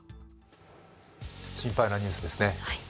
心配なニュースですね。